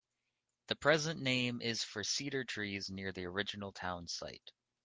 The present name is for cedar trees near the original town site.